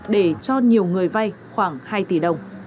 để cho nhiều người vai khoảng hai tỷ đồng